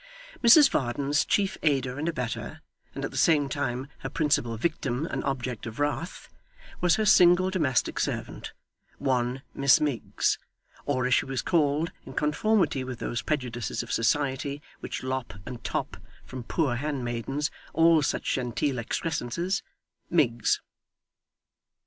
Mrs Varden's chief aider and abettor, and at the same time her principal victim and object of wrath, was her single domestic servant, one Miss Miggs; or as she was called, in conformity with those prejudices of society which lop and top from poor hand maidens all such genteel excrescences Miggs.